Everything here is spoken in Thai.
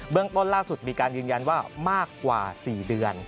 เรื่องต้นล่าสุดมีการยืนยันว่ามากกว่า๔เดือน